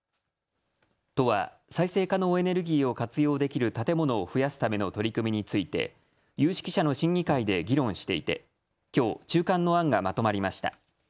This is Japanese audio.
都は再生可能エネルギーを活用できる建物を増やすための取り組みについて有識者の審議会で議論していてきょう中間の案がまとまりました。